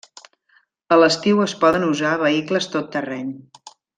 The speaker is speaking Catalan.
A l'estiu es poden usar vehicles tot terreny.